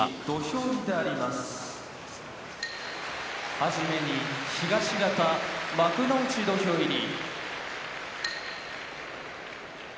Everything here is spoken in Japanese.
はじめに東方幕内土俵入り。